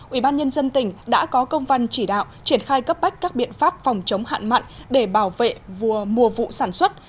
ủy ban nhân dân tỉnh đã có công văn chỉ đạo triển khai cấp bách các biện pháp phòng chống hạn mặn để bảo vệ vùa mùa vụ sản xuất